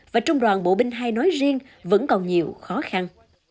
và trung đoàn bộ binh hai nói riêng vẫn còn nhiều khó khăn